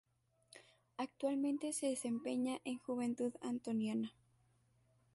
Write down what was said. Actualmente se desempeña en Juventud Antoniana.